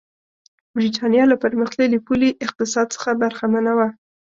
برېټانیا له پرمختللي پولي اقتصاد څخه برخمنه وه.